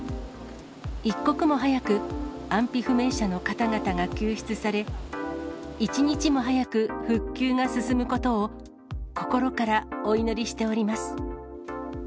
一刻も早く安否不明者の方々が救出され、一日も早く復旧が進むことを、心からお祈りしております。